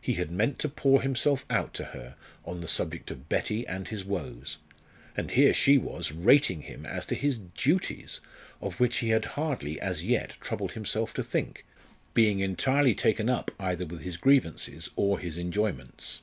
He had meant to pour himself out to her on the subject of Betty and his woes, and here she was rating him as to his duties, of which he had hardly as yet troubled himself to think, being entirely taken up either with his grievances or his enjoyments.